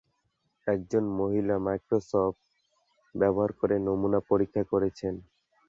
একজন মহিলা মাইক্রোস্কোপ ব্যবহার করে নমুনা পরীক্ষা করছেন